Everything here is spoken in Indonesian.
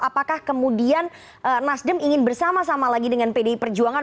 apakah kemudian nasdem ingin bersama sama lagi dengan pdi perjuangan